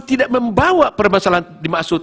tidak membawa permasalahan dimaksud